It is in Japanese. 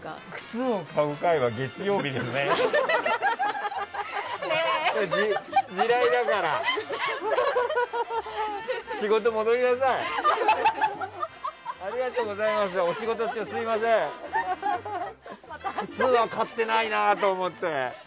靴は買ってないなと思って。